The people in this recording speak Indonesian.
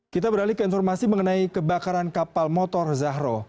kita beralih ke informasi mengenai kebakaran kapal motor zahro